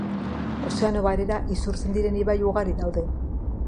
Ozeano Barera isurtzen diren ibai ugari daude.